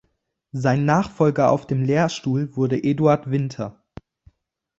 Sein Nachfolger auf dem Lehrstuhl wurde Eduard Winter.